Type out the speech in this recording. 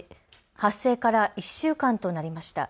発生から１週間となりました。